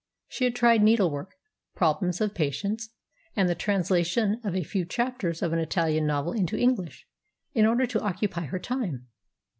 She had tried needlework, problems of patience, and the translation of a few chapters of an Italian novel into English in order to occupy her time.